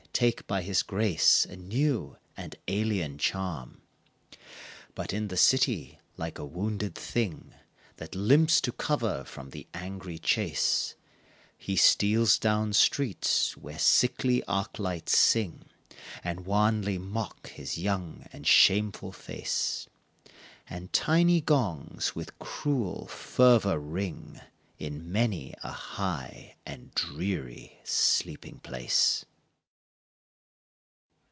Take by his grace a new and alien charm. But in the city, like a wounded thing That limps to cover from the angry chase, He steals down streets where sickly arc lights sing, And wanly mock his young and shameful face; And tiny gongs with cruel fervor ring In many a high and dreary sleeping place.